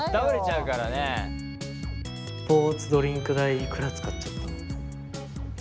スポーツドリンク代いくら使っちゃった？